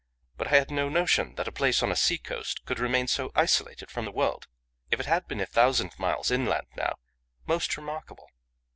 But I had no notion that a place on a sea coast could remain so isolated from the world. If it had been a thousand miles inland now most remarkable!